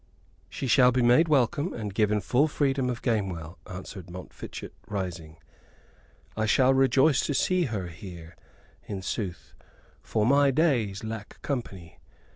"She shall be made welcome and given full freedom of Gamewell," answered Montfichet, rising. "I shall rejoice to see her here, in sooth, for my days lack company.